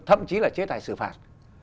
thậm chí là chế tài xử phạt